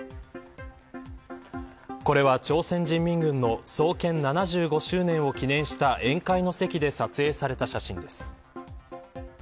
これは、朝鮮人民軍の創建７５周年を記念した宴会の席で撮影された写真です。